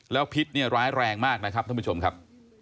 แล้วพิษเนี่ยร้ายแรงมากนะครับท่านผู้ชมครับ